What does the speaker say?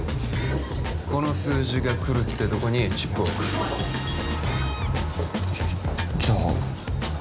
この数字がくるってとこにチップを置くじゃじゃ